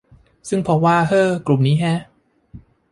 ซึ่งพบว่า เอ้อ กลุ่มนี้แฮะ